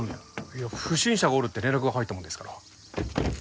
いや不審者がおるって連絡が入ったもんですから。